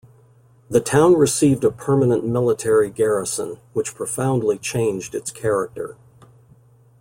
The town received a permanent military garrison, which profoundly changed its character.